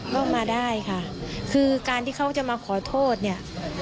ก็มาได้ค่ะคือการที่เขาจะมาขอโทษเนี่ย